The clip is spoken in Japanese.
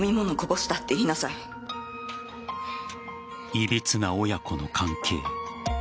いびつな親子の関係。